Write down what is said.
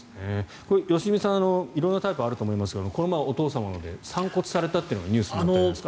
良純さん色々なタイプがあると思いますがこの前お父様の散骨されたというのがニュースにあったじゃないですか。